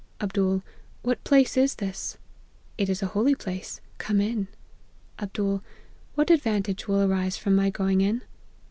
" Md.< What place is this ?'"* It is a holy place ; come in.' " Md* ' What advantage will arise from my going in